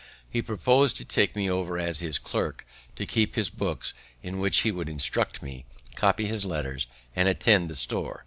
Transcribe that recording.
He propos'd to take me over as his clerk, to keep his books, in which he would instruct me, copy his letters, and attend the store.